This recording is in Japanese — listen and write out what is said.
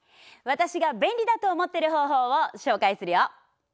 私が便利だと思ってる方法をしょうかいするよ！